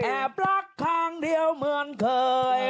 รักครั้งเดียวเหมือนเคย